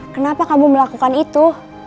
kenapa kamu melakukan itu